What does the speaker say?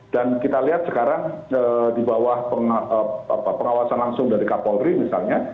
dan kita lihat sekarang di bawah pengawasan langsung dari kapolri misalnya